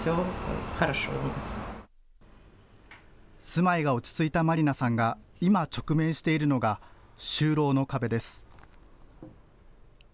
住まいが落ち着いたマリナさんが今、直面しているのが就労の壁です。